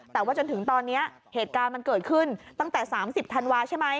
แต่ว่าจนถึงตอนนี้เหตุการณ์มันเกิดขึ้นตั้งแต่๓๐ธันวาใช่ไหม